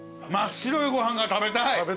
真っ白いご飯が食べたい。